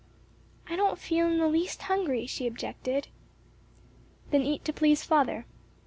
"I don't feel in the least hungry," she objected. "Then eat to please father."